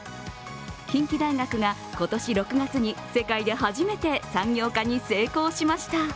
近畿大学が今年６月に世界で初めて産業化に成功しました。